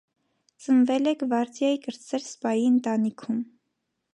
Ծնվել է գվարդիայի կրտսեր սպայի ընտանիքում։